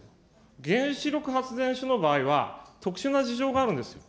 原子力発電所の場合は、特殊な事情があるんですよ。